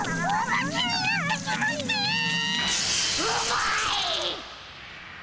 うまいっ！